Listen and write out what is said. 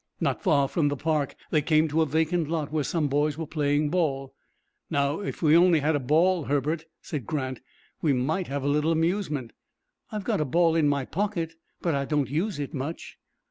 Not far from the park they came to a vacant lot where some boys were playing ball. "Now, if we only had a ball, Herbert," said Grant, "we might have a little amusement." "I've got a ball in my pocket, but I don't use it much."